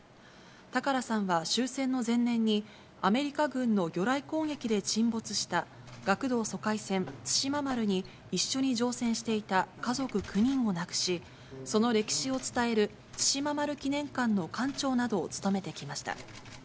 高良さんは終戦の前年に、アメリカ軍の魚雷攻撃で沈没した学童疎開船対馬丸に一緒に乗船していた家族９人を亡くし、その歴史を伝える対馬丸記念館の館長などを務めてきました。